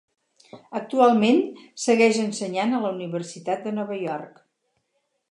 Actualment segueix ensenyant a la Universitat de Nova York.